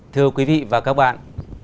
thưa quý vị và các bạn